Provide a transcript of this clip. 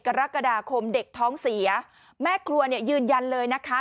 กรกฎาคมเด็กท้องเสียแม่ครัวเนี่ยยืนยันเลยนะคะ